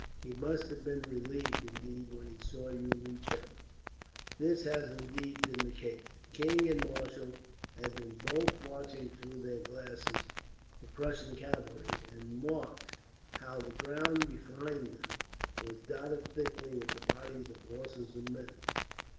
He must have been relieved, indeed, when he saw you reach them." This had indeed been the case. The king and marshal had both been watching through their glasses the Prussian cavalry, and marked how the ground behind them was dotted thickly with the bodies of horses and men.